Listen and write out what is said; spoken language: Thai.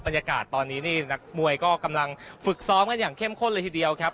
บรรยากาศตอนนี้นี่นักมวยก็กำลังฝึกซ้อมกันอย่างเข้มข้นเลยทีเดียวครับ